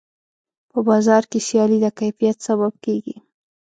په بازار کې سیالي د کیفیت سبب کېږي.